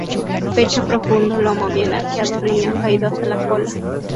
Pecho profundo, lomo bien arqueado, riñón caído hacia la cola.